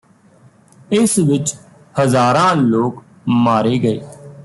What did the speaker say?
ਇਸ ਵਿਚ ਹਜ਼ਾਰਾਂ ਲੋਕ ਮਾਰੇ ਗਏ